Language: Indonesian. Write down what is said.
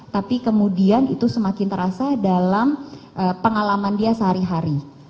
tapi kemudian itu semakin terasa dalam pengalaman dia sehari hari